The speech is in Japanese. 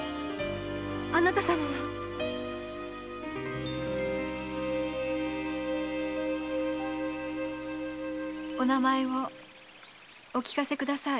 あなた様は⁉お名前をお聞かせください。